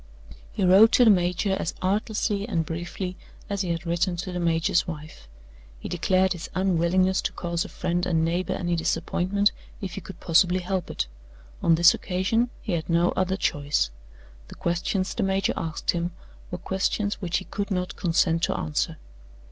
He wrote to the major as artlessly and briefly as he had written to the major's wife. He declared his unwillingness to cause a friend and neighbor any disappointment, if he could possibly help it. On this occasion he had no other choice. The questions the major asked him were questions which he could not consent to answer.